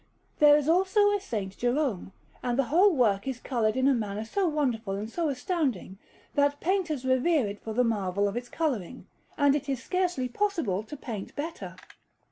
There is also a S. Jerome; and the whole work is coloured in a manner so wonderful and so astounding, that painters revere it for the marvel of its colouring, and it is scarcely possible to paint better.